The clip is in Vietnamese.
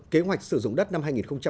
kế hoạch sử dụng đất năm hai nghìn hai mươi